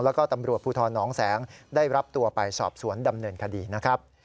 แล้วก็ตำรวจภูทรน้องแสงได้รับตัวไปสอบสวนดำเนินคดีนะครับ